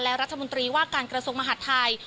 และรัฐมนตรีว่าการกระทรวงมหาดไทย